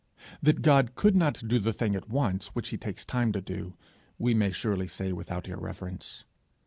That God could not do the thing at once which he takes time to do, we may surely say without irreverence.